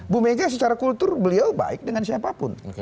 bu mega secara kultur beliau baik dengan siapapun